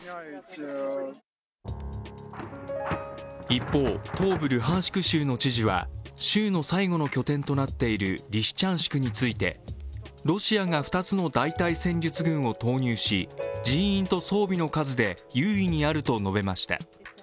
一方、東部ルハンシク州の知事は州の最後の拠点となっているリシチャンシクについてロシアが２つの大隊戦術群を投入し人員と装備の数で優位にあると述べました。